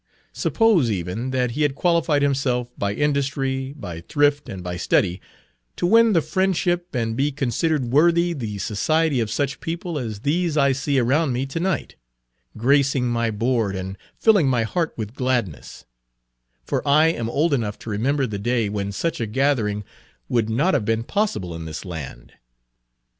Suppose, even, that he had qualified himself, by industry, by thrift, and by study, to win the friendship and be considered worthy the society of such people as these I see around me to night, gracing my board and filling my heart with gladness; for I am old enough to remember the day when such a gathering would not have been possible in this land.